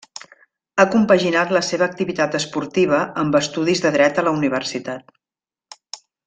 Ha compaginat la seva activitat esportiva amb estudis de dret a la universitat.